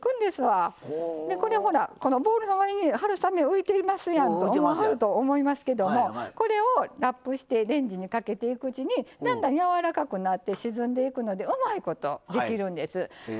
ボウルの割に春雨浮いていますやんと思わはると思いますけどもこれをラップしてレンジにかけていくうちにやわらかくなって沈んでいくのでうまいことできるんです。